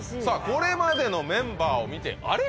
これまでのメンバーを見てあれ？